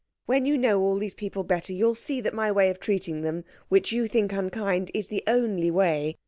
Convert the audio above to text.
When you know all these people better you'll see that my way of treating them, which you think unkind, is the only way.